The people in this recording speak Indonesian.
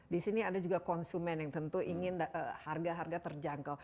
di sini ada juga konsumen yang tentu ingin harga harga terjangkau